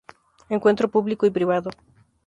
Encuentro Público y Privado.